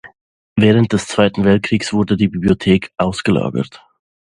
Während des Zweiten Weltkriegs wurde die Bibliothek ausgelagert.